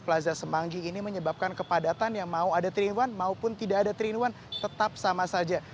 plaza semanggi ini menyebabkan kepadatan yang mau ada terinuan maupun tidak ada terinuan tetap sama saja